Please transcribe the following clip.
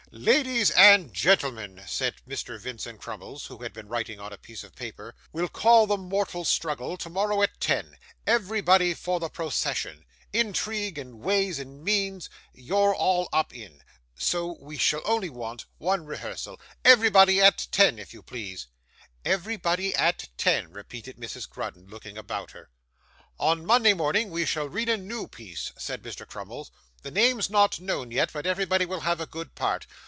'Ladies and gentlemen,' said Mr. Vincent Crummles, who had been writing on a piece of paper, 'we'll call the Mortal Struggle tomorrow at ten; everybody for the procession. Intrigue, and Ways and Means, you're all up in, so we shall only want one rehearsal. Everybody at ten, if you please.' 'Everybody at ten,' repeated Mrs. Grudden, looking about her. 'On Monday morning we shall read a new piece,' said Mr. Crummles; 'the name's not known yet, but everybody will have a good part.